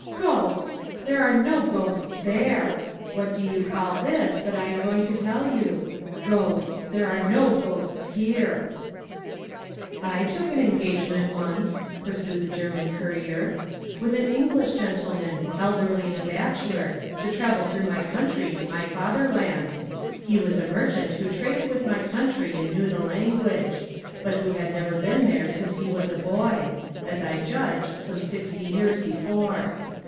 'Ghosts! There are no ghosts there! What do you call this, that I am going to tell you? Ghosts! There are no ghosts here!' I took an engagement once (pursued the German courier) with an English gentleman, elderly and a bachelor, to travel through my country, my Fatherland. He was a merchant who traded with my country and knew the language, but who had never been there since he was a boy—as I judge, some sixty years before.